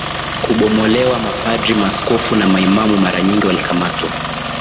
kubomolewa Mapadre maaskofu na maimamu mara nyingi walikamatwa